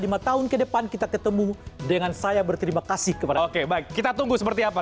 lima tahun ke depan kita ketemu dengan saya berterima kasih kepada oke baik kita tunggu seperti apa